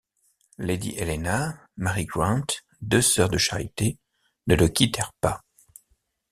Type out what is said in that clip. Lady Helena, Mary Grant, deux sœurs de charité, ne le quittèrent pas.